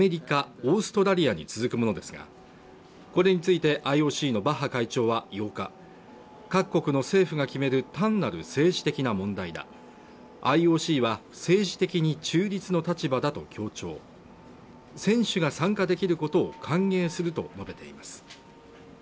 オーストラリアに続くものですがこれについてＩＯＣのバッハ会長は８日各国の政府が決める単なる政治的な問題だＩＯＣは政治的に中立の立場だと強調選手が参加できることを歓迎すると述べています